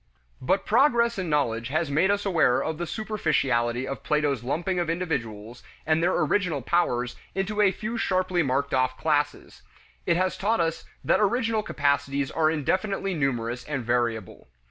But progress in knowledge has made us aware of the superficiality of Plato's lumping of individuals and their original powers into a few sharply marked off classes; it has taught us that original capacities are indefinitely numerous and variable.